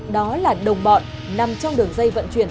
đó là đồng bọn nằm trong đường dây vận chuyển